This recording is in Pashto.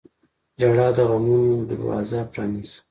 • ژړا د غمونو دروازه پرانیزي.